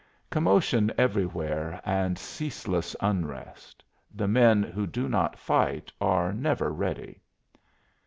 Commotion everywhere and ceaseless unrest. The men who do not fight are never ready.